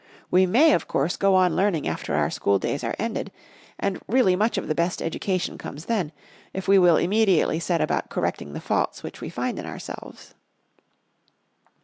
We may, of course, go on learning after our school days are ended; and really much of the best education comes then, if we will immediately set about correcting the faults which we find in ourselves.